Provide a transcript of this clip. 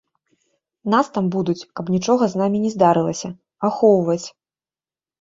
Нас там будуць, каб нічога з намі не здарылася, ахоўваць.